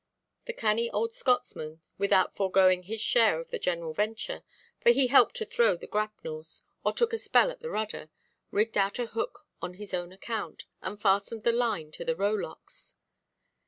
The canny old Scotchman, without foregoing his share in the general venture—for he helped to throw the grapnels, or took a spell at the rudder—rigged out a hook on his own account, and fastened the line to the rowlocks.